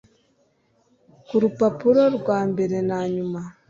kurupapuro rwa mbere na nyuma.